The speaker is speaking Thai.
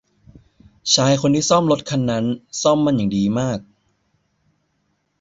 ชายคนที่ซ่อมรถคันนั้นซ่อมมันอย่างดีมาก